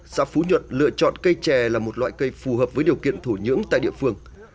xã phú nhuận lựa chọn cây chè là một loại cây phù hợp với điều kiện thổ nhưỡng tại địa phương